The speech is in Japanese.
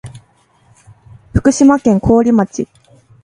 福島県桑折町